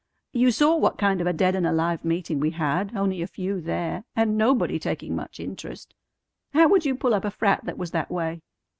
You saw what kind of a dead and alive meeting we had, only a few there, and nobody taking much interest. How would you pull up a frat that was that way?"